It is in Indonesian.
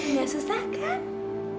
nggak susah kan